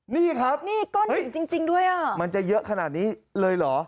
นี่ครับมันจะเยอะขนาดนี้เลยเหรอ